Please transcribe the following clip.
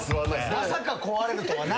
まさか壊れるとはな。